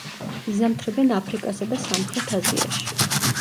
იზამთრებენ აფრიკასა და სამხრეთ აზიაში.